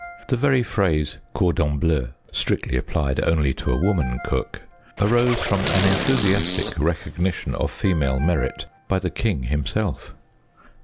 The very phrase " cordon bleu " (strictly applied only to a woman cook) arose from an enthusiastic recognition of female merit by the king himself.